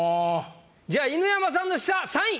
じゃあ犬山さんの下３位。